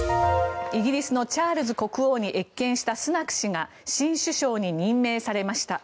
イギリスのチャールズ国王に謁見したスナク氏が新首相に任命されました。